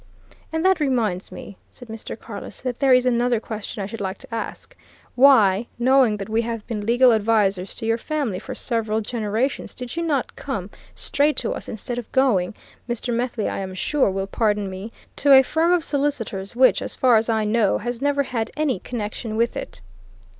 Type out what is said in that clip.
"And that reminds me," said Mr. Carless, "that there is another question I should like to ask. Why, knowing that we have been legal advisers to your family for several generations, did you not come straight to us, instead of going Mr. Methley, I'm sure, will pardon me to a firm of solicitors which, as far as I know, has never had any connection with it!"